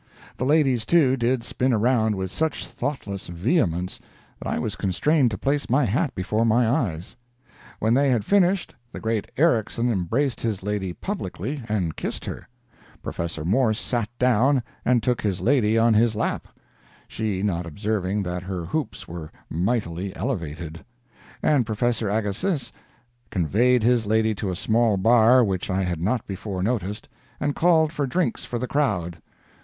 The ladies, too, did spin around with such thoughtless vehemence that I was constrained to place my hat before my eyes. When they had finished, the great Ericsson embraced his lady publicly, and kissed her; Professor Morse sat down, and took his lady on his lap (she not observing that her hoops were mightily elevated), and Professor Agassiz conveyed his lady to a small bar which I had not before noticed, and called for drinks for the crowd!